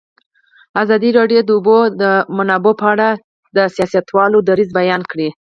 ازادي راډیو د د اوبو منابع په اړه د سیاستوالو دریځ بیان کړی.